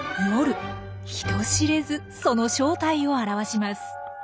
人知れずその正体を現します。